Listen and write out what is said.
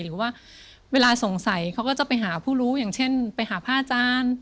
หรือว่าเวลาสงสัยเขาก็จะไปหาผู้รู้อย่างเช่นไปหาพระอาจารย์